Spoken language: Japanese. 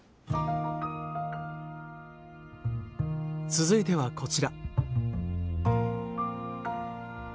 続いてはこちら。